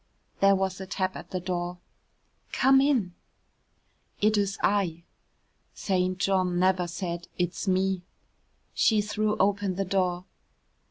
There was a tap at the door. "Come in." "It's I." (St. John never said "It's me.") She threw open the door.